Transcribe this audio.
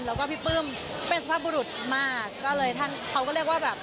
แล้วก็พี่ปลื้มเป็นสภาพบุรุษมากก็เลยท่านเขาก็เรียกว่าแบบ